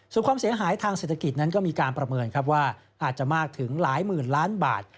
ส่วนความเสียหายทางเศรษฐกิจนั้นก็มีการประเมินครับว่าอาจจะมากถึงหลายหมื่นล้านบาท